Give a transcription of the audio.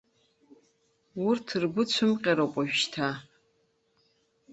Урҭ ргәы цәымҟьароуп уажәшьҭа!